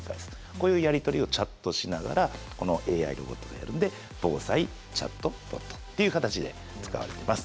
こういうやり取りをチャットしながらこのＡＩにも飛べるんで防災チャットボットっていう形で使われてます。